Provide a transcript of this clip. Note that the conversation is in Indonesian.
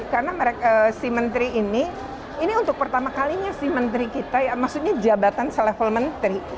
karena si menteri ini ini untuk pertama kalinya si menteri kita maksudnya jabatan selevel menteri